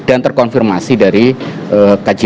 dan terkonfirmasi dari kajian klhs pemerintah sendiri